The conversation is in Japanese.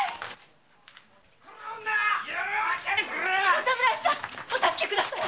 お侍さんお助けください。